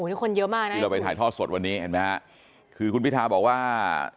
นี่คนเยอะมากนะที่เราไปถ่ายทอดสดวันนี้เห็นไหมฮะคือคุณพิทาบอกว่า